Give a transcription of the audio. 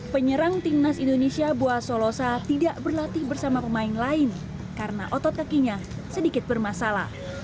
penyerang timnas indonesia bua solosa tidak berlatih bersama pemain lain karena otot kakinya sedikit bermasalah